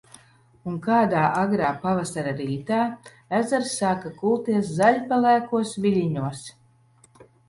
Un kādā agrā pavasara rītā, ezers sāka kulties zaļpelēkos viļņos.